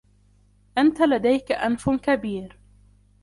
أنتَ لديكَ أنف كبير.